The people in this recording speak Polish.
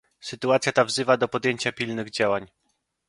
Sytuacja ta wzywa do podjęcia pilnych działań